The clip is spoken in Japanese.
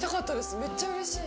めっちゃうれしい。